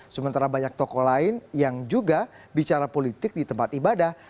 sementara banyak tokoh lain yang juga bicara politik di tempat ibadah